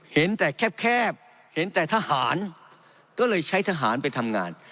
เห็นแต่แคบเห็นแต่ทหารก็เลยใช้ทหารไปทำงาน